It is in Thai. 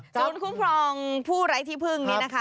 ส่วนคุมภรรณ์ผู้ไร้ที่พึ่งนี้นะคะ